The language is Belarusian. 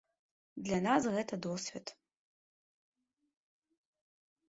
Для нас гэта досвед.